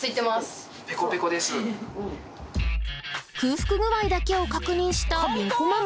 空腹具合だけを確認したビンコママ。